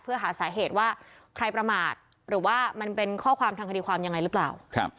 เพื่อหาสาเหตุว่าใครประมาทหรือว่ามันเป็นข้อความทางคดีความยังไงหรือเปล่า